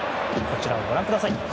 こちらをご覧ください。